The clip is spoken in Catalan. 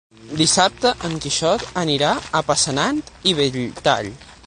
Dissabte en Quixot anirà a Passanant i Belltall.